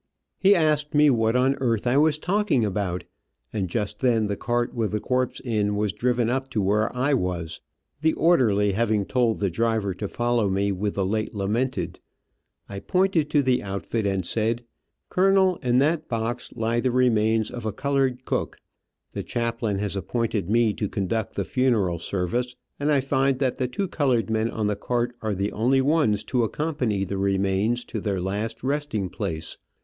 He asked me what on earth I was talking about, and just then the cart with the corpse in was driven up to where I was, the orderly having told the driver to follow me with the late lamented. I pointed to the outfit, and said: "Colonel, in that box lie the remains of a colored cook. The chaplain has appointed me to conduct the funeral service, and I find that the two colored men on the cart are the only ones to accompany the remains to their last resting place.